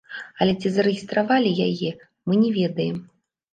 Але ці зарэгістравалі яе, мы не ведаем.